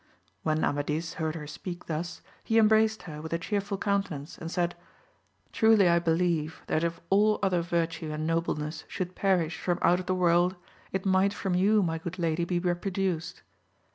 When Amadis heard her speak thus, he embraced her with a cheerful countenance and said. Truly I believe that if all other virtue and nobleness should perish from out of the world, it might from you my good lady be reproduced.